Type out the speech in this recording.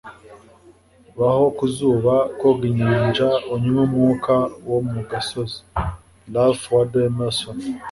Baho ku zuba, koga inyanja, unywe umwuka wo mu gasozi.” - Ralph Waldo Emerson